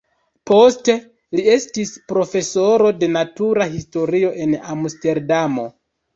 Poste li estis profesoro de natura historio en Amsterdamo.